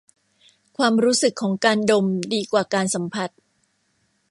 ความรู้สึกของการดมดีกว่าการสัมผัส